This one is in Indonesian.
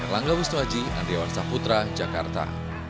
langga wisto aji andriyawar saputra jakarta